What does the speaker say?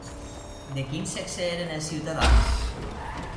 De quin sexe eren els ciutadans?